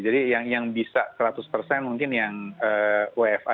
jadi yang bisa seratus persen mungkin yang wfa